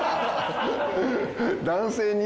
男性に？